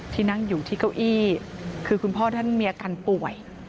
ที่นั่งอยู่ที่เก้าอี้คือคุณพ่อท่านมีอาการป่วย